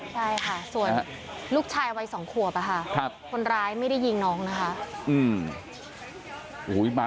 ใช่ค่ะส่วนลูกชายวัย๒ขวบคนร้ายไม่ได้ยิงน้องนะคะ